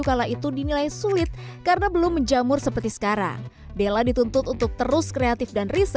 kala itu dinilai sulit karena belum menjamur seperti sekarang della dituntut untuk terus kreatif dan riset